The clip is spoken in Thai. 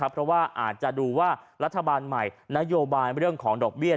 เพราะว่าอาจจะดูว่ารัฐบาลใหม่นโยบายเรื่องของดอกเบี้ย